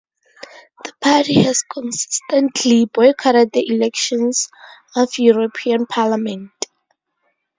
The party has consistently boycotted the elections of European Parliament.